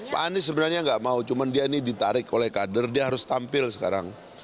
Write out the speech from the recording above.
pak anies sebenarnya nggak mau cuman dia ini ditarik oleh kader dia harus tampil sekarang